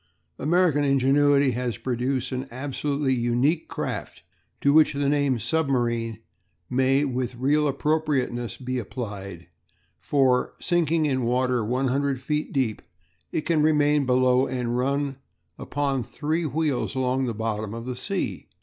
American ingenuity has produced an absolutely unique craft to which the name submarine may with real appropriateness be applied, for, sinking in water 100 feet deep, it can remain below and run upon three wheels along the bottom of the sea.